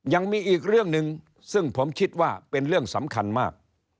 ยังมีอีกเรื่องหนึ่งซึ่งผมคิดว่าเป็นเรื่องสำคัญมาก